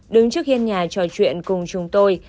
đứng trước hiên nhà trò chuyện cùng chúng tôi